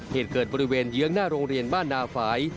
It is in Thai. เหตุเกิดบริเวณเยื้องหน้าโรงเรียนบ้านนาฝ่าย